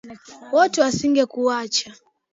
Wote wasingekuacha